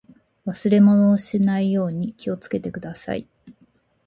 忘れ物をしないように気をつけてください。